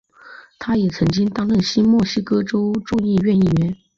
他也曾经担任新墨西哥州众议院议员。